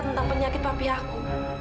tentang penyakit papi aku